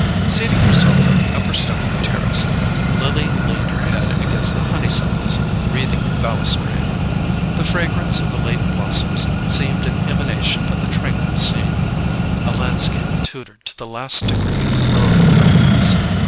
Seating herself on the upper step of the terrace, Lily leaned her head against the honeysuckles wreathing the balustrade. The fragrance of the late blossoms seemed an emanation of the tranquil scene, a landscape tutored to the last degree of rural elegance.